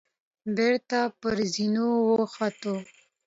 بېرته پر زينو وخوت.